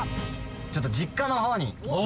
ちょっと実家のほうに。